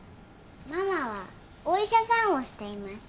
「ママはお医者さんをしています」